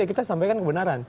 kita sampaikan kebenaran